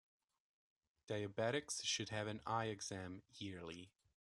Diabetics should have an eye exam yearly.